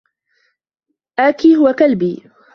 آكي هو كلبي.